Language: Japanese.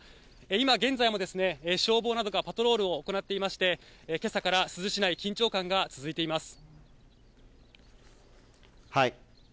今現在も消防などがパトロールを行っていまして、今朝から珠洲市内、緊張感が続いています。